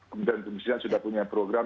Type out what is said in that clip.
ketentusian sudah punya program